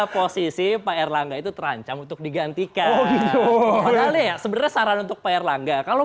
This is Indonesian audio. oposisi pak erlangga itu terancam untuk digantikan oh ini choro ya seberesaran untuk pak erlangga kalau